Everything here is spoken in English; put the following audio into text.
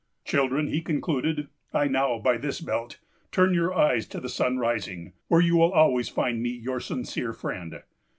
"Children," he concluded, "I now, by this belt, turn your eyes to the sunrising, where you will always find me your sincere friend.